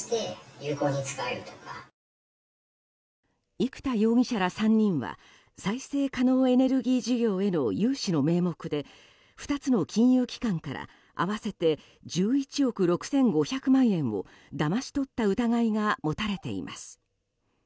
生田容疑者ら３人は再生可能エネルギー事業への融資の名目で２つの金融機関から合わせて１１億６５００万円をだまし取った疑いが持たれています。